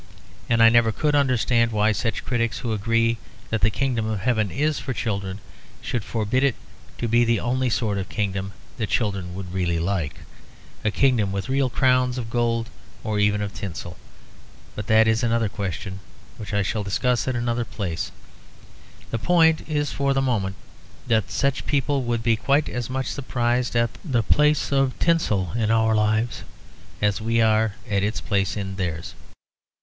And I never could understand why such critics who agree that the kingdom of heaven is for children, should forbid it to be the only sort of kingdom that children would really like; a kingdom with real crowns of gold or even of tinsel. But that is another question, which I shall discuss in another place; the point is for the moment that such people would be quite as much surprised at the place of tinsel in our lives as we are at its place in theirs.